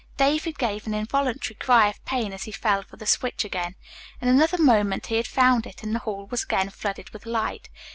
David gave an involuntary cry of pain as he felt for the switch again. In another moment he had found it and the hall was again flooded with light.